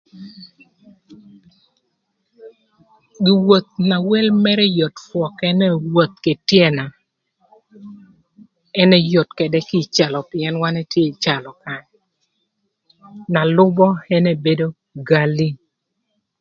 Gi woth na wel mërë yot rwök ënë woth kï tyënö. Ënë yot ködë kï ï calo pïën wan etye ï calo kany. Na lübö ënë bedo gali.